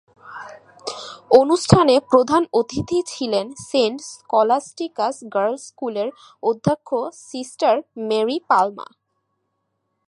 অনুষ্ঠানে প্রধান অতিথি ছিলেন সেন্ট স্কলাসটিকাস গার্লস স্কুলের অধ্যক্ষা সিস্টার মেরি পালমা।